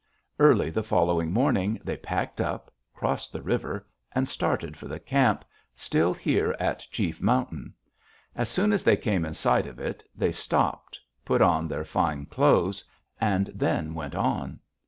Early the following morning they packed up, crossed the river, and started for the camp, still here at Chief Mountain. As soon as they came in sight of it they stopped, put on their fine clothes, and then went on.